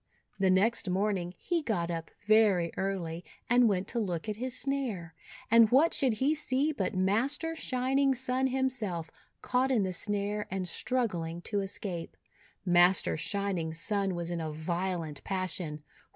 The next morning he got up very early, and went to look at his snare. And what should he see but Master Shining Sun himself caught in the snare and struggling to escape. Master Shining Sun was in a violent passion.